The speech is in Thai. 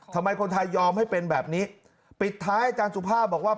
ทำไมคนไทยยอมให้เป็นแบบนี้ปิดท้ายอาจารย์สุภาพบอกว่า